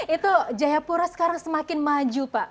itu jayapura sekarang semakin maju pak